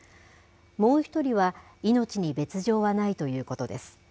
もう１人は命に別状はないということです。